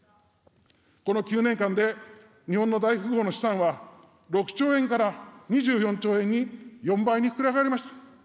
この９年間で日本の大富豪の資産は６兆円から２４兆円に４倍に膨れ上がりました。